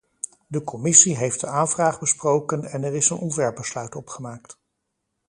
De commissie heeft de aanvraag besproken en er is een ontwerpbesluit opgemaakt.